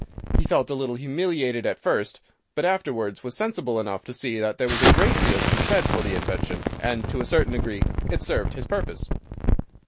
He felt a little humiliated at first, but afterwards was sensible enough to see that there was a great deal to be said for the invention, and, to a certain degree, it served his purpose.